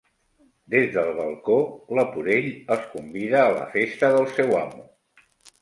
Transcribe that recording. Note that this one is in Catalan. Des del balcó, Leporell els convida a la festa del seu amo.